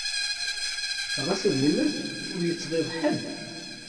Ɣas ad yemmet, ur yettɣiḍ i ḥedd.